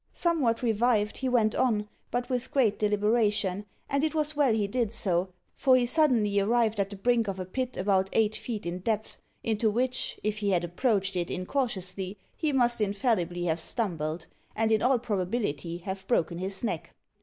Somewhat revived, he went on, but with great deliberation, and it was well he did so, for he suddenly arrived at the brink of a pit about eight feet in depth, into which, if he had approached it incautiously, he must infallibly have stumbled, and in all probability have broken his neck.